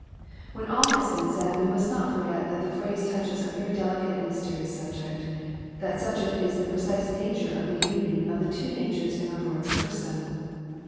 When all has been said, we most not forget that the phrase teaches a very delicate and mysterioas subject : that subject Is the precise nature of the anion of two natures In our Lord's Person.